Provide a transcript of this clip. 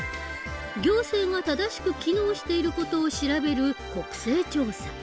行政が正しく機能している事を調べる国政調査。